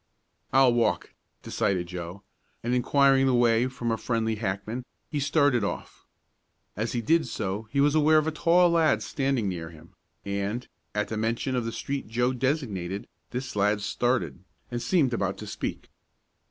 "I'll walk," decided Joe, and, inquiring the way from a friendly hackman, he started off. As he did so he was aware of a tall lad standing near him, and, at the mention of the street Joe designated, this lad started, and seemed about to speak.